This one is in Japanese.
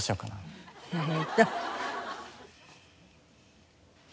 えっと。